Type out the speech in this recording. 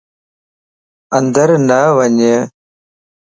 اندر نه وڃ